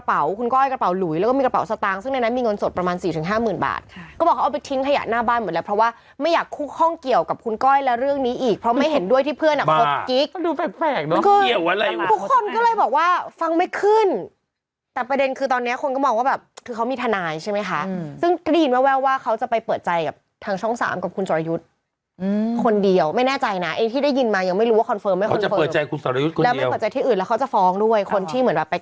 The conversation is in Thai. บ้านหมดแล้วเพราะว่าไม่อยากคุกห้องเกี่ยวกับคุณก้อยแล้วเรื่องนี้อีกเพราะไม่เห็นด้วยที่เพื่อนอ่ะคนกิ๊กก็ดูแปลกแปลกน้องเกี่ยวอะไรคุณคนก็เลยบอกว่าฟังไม่ขึ้นแต่ประเด็นคือตอนเนี้ยคนก็บอกว่าแบบคือเขามีทนายใช่ไหมคะอืมซึ่งก็ได้ยินแววว่าเขาจะไปเปิดใจกับทางช่องสามกับคุณสอรยุทธ์อืมคนเดียวไม